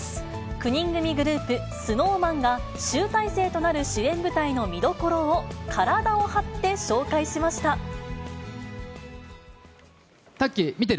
９人組グループ、ＳｎｏｗＭａｎが、集大成となる主演舞台の見どころを、体を張タッキー見てる？